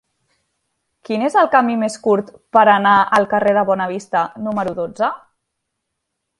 Quin és el camí més curt per anar al carrer de Bonavista número dotze?